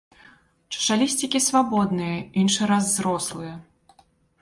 Чашалісцікі свабодныя, іншы раз зрослыя.